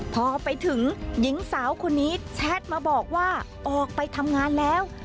พอไปถึงหญิงสาวคนนี้แชทมาบอกว่าออกไปทำงานแล้ว